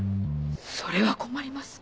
それは困ります。